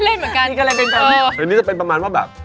นี่ก็ไม่ค่อยเล่นเหมือนกันตอนนี้จะเป็นประมาณว่าแบบ